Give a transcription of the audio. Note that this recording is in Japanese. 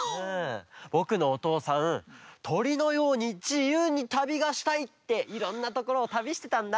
ぼくのおとうさん「とりのようにじゆうにたびがしたい」っていろんなところをたびしてたんだ。